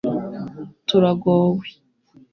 turagowe